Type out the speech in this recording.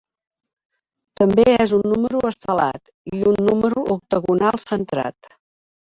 També és un número estelat i un número octagonal centrat.